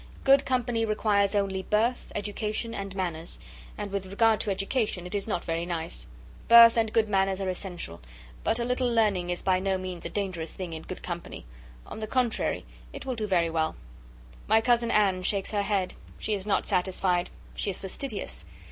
Good company requires only birth, education, and manners, and with regard to education is not very nice. Birth and good manners are essential; but a little learning is by no means a dangerous thing in good company; on the contrary, it will do very well. My cousin Anne shakes her head. She is not satisfied. She is fastidious.